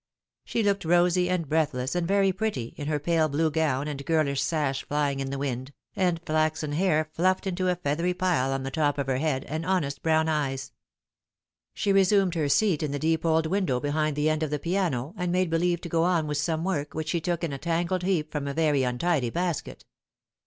She looked rosy and breath less and very pretty, in her pale blue gown and girlish sash She cannot be Unworthy. 103 flying in the wind, and flaxen hair fluffed into a feathery pile oil the top of her head, and honest brown eyes. She resumed her Beat in the deep old window behind the end of the piano, and made believe to go on with some work, which she took in a tangled heap from a very untidy basket.